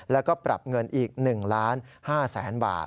แล้วก็ปรับเงินอีก๑๕๐๐๐๐บาท